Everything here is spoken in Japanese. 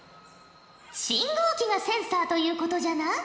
信号機がセンサーということじゃな？